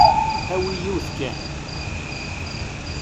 Awi yiwet kan.